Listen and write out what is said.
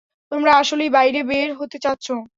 তোমরা আসলেই বাইরে বের হতে চাচ্ছো?